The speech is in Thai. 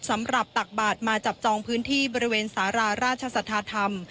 ตักบาทมาจับจองพื้นที่บริเวณสาราราชสัทธาธรรม